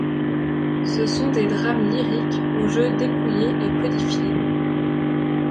Ce sont des drames lyriques au jeu dépouillé et codifié.